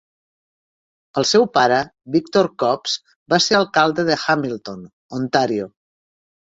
El seu pare, Victor Copps, va ser alcalde de Hamilton, Ontario.